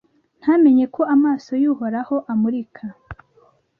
ntamenye ko amaso y'uhoraho amurika